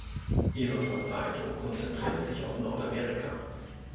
Ihre Verbreitung konzentriert sich auf Nordamerika.